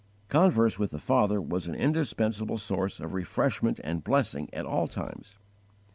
_ Converse with the Father was an indispensable source of refreshment and blessing at all times.